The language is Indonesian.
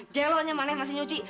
gelohnya mana masih nyuci